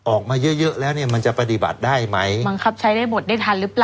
ออกมาเยอะเยอะแล้วเนี่ยมันจะปฏิบัติได้ไหมบังคับใช้ได้หมดได้ทันหรือเปล่า